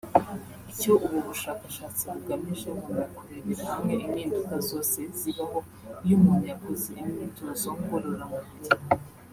Icyo ubu bushakashatsi bugamije ngo ni ukurebera hamwe impinduka zose zibaho iyo umuntu yakoze imyitozo ngororamubiri